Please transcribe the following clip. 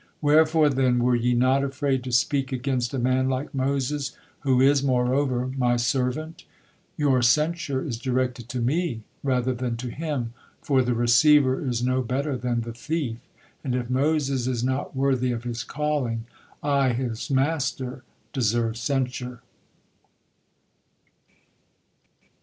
Wherefore then were ye not afraid to speak against a man like Moses, who is, moreover, My servant? Your censure is directed to Me, rather than to him, for 'the receiver is no better than the thief,' and if Moses is not worthy of his calling, I, his Master, deserve censure."